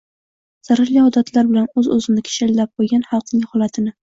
Zararli odatlar bilan o‘z-o‘zini kishanlab qo‘ygan xalqning holatini